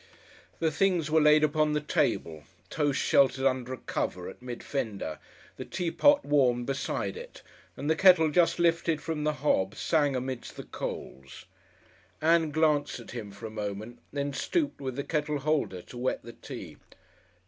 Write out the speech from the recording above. The things were laid upon the table, toast sheltered under a cover, at mid fender, the teapot warmed beside it, and the kettle just lifted from the hob, sang amidst the coals. Ann glanced at him for a moment, then stooped with the kettle holder to wet the tea.